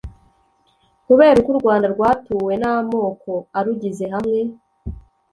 - kureba uko u rwanda rwatuwe n'amoko arugize hamwe